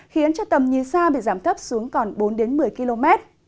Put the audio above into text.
khiến cho tầm nhìn xa bị giảm thấp xuống còn bốn đến một mươi km